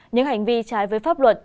những hành vi trái với pháp luật